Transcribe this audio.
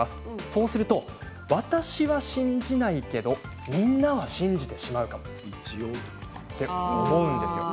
そうすると私は信じないけどみんなは信じてしまうかもと思うんですよ。